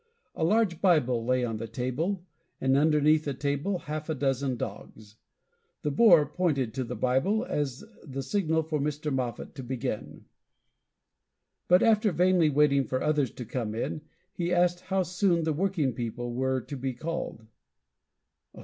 A large Bible lay on the table, and underneath the table half a dozen dogs. The Boer pointed to the Bible as the signal for Mr. Moffat to begin. But, after vainly waiting for others to come in, he asked how soon the working people were to be called.